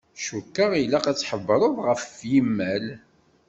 Cukkeɣ ilaq ad tḥebbreḍ ɣef yimal.